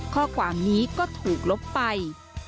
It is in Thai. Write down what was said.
ข้อความนี้ก็ถูกลบไป